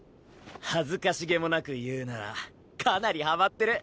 恥ずかしげもなく言うならかなりはまってる。